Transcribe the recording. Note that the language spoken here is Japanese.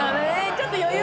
ちょっと余裕。